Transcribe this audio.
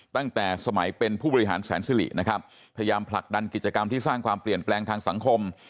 ตั้งแต่สมัยเป็นผู้บริหารแสนสิรินะครับพยายามผลักดันกิจกรรมที่สร้างความเปลี่ยนแปลงทางสังคม